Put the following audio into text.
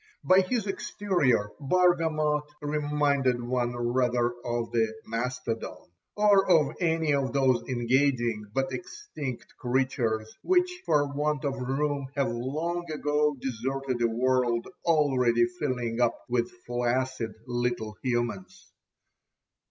_ By his exterior Bargamot reminded one rather of the mastodon, or of any of those engaging, but extinct creatures, which for want of room have long ago deserted a world already filling up with flaccid little humans.